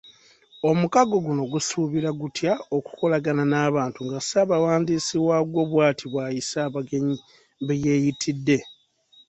Omukago guno gusuubira gutya okukolagana n'abantu nga Ssabawandiisi waagwo bwati bwayisa abagenyi beyeeyitidde.